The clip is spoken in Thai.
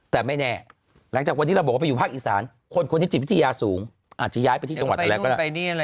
แต่ไม่แน่หลังจากวันนี้เราบอกว่าไปอยู่ภาคอีสานคนที่จิตวิทยาสูงอาจจะย้ายไปที่จังหวัดไหนก็ได้